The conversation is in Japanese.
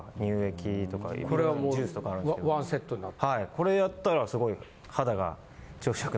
これやったらすごい。